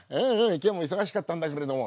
今日も忙しかったんだけれども。